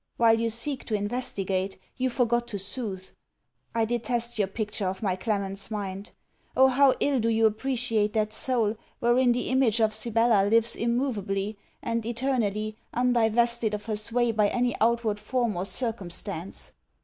While you seek to investigate, you forgot to soothe. I detest your picture of my Clement's mind. Oh! how ill do you appreciate that soul, wherein the image of Sibella lives immoveably, and eternally, undivested of her sway by any outward form or circumstance!